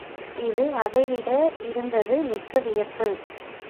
இது அதைவிட இருந்தது மிக்க வியப்பு.